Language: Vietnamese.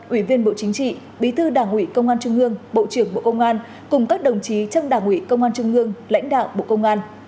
ủy viên bộ chính trị bí thư đảng ủy công an trung ương bộ trưởng bộ công an cùng các đồng chí trong đảng ủy công an trung ương lãnh đạo bộ công an